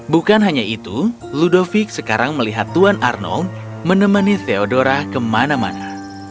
bukan hanya itu ludovic sekarang melihat tuan arnold menemani theodora kemana mana